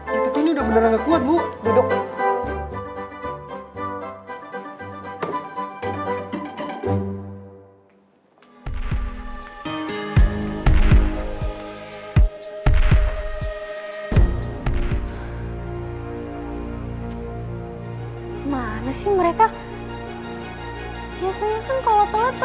ya tapi ini udah beneran gak kuat bu